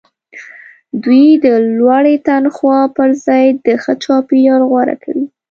دوی د لوړې تنخوا پرځای د ښه چاپیریال غوره کوي